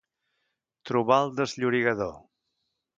Trobar el desllorigador.